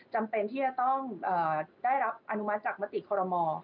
จำเป็นที่จะต้องได้รับอนุมัติจากมติคอรมอ